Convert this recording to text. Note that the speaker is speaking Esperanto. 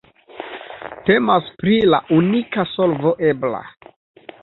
Temas pri la unika solvo ebla.